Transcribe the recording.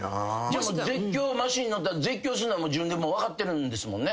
じゃあ絶叫マシンに乗ったら絶叫すんのは自分で分かってるんですもんね？